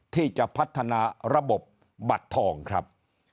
ที่จะพัฒนาระบบบัตรทองครับ